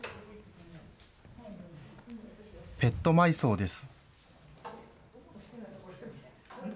ペット埋葬です。